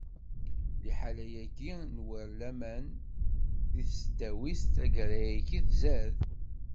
Liḥala-agi n war laman di tesdawit taggara-agi, tzad.